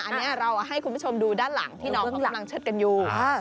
อันนี้เราให้คุณผู้ชมดูด้านหลังที่น้องเขากำลังเชิดกันอยู่